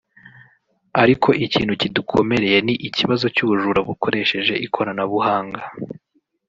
ariko ikintu kidukomereye ni ikibazo cy’ubujura bukoresheje ikoranabuhanga